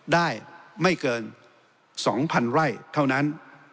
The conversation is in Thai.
ได้ไม่เกิน๒๐๐๐ไร่เท่านั้น